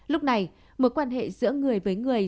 lúc này một quan hệ giữa người với người